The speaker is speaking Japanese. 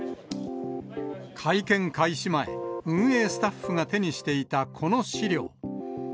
会見開始前、運営スタッフが手にしていたこの資料。